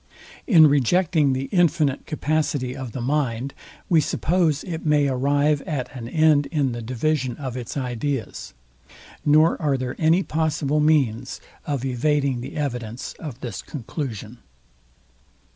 In rejecting the infinite capacity of the mind, we suppose it may arrive at an end in the division of its ideas; nor are there any possible means of evading the evidence of this conclusion.